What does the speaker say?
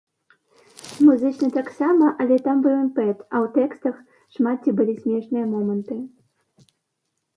Музычна таксама, але там быў імпэт, а ў тэкстах шмат дзе былі смешныя моманты.